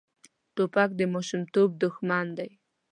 توپک د ماشومتوب دښمن دی.